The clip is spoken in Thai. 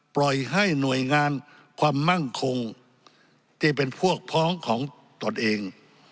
ปล่อยให้หน่วยงานความมั่งคงที่เป็นพวกพ้องของตนเอง